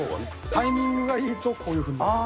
タイミングがいいとこういうふうになります。